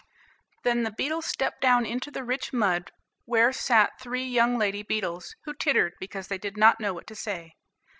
Then the beetle stepped down into the rich mud, where sat three young lady beetles, who tittered, because they did not know what to say.